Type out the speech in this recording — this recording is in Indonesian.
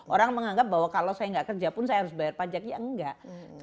orang menganggap bahwa kalau saya nggak kerja pun saya harus bayar pajak ya enggak